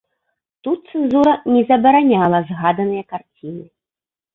Тут цэнзура не забараняла згаданыя карціны.